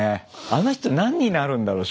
あの人何になるんだろう？